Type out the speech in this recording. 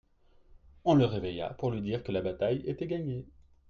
On le réveilla pour lui dire que la bataille était gagnée.